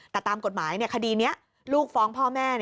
แต่ตามกฎหมายคดีนี้ลูกฟ้องพ่อแม่